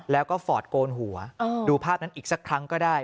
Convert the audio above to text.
แล้วก็ฟอร์ดโกนหัวดูภาพนั้นอีกสักครั้งก็ได้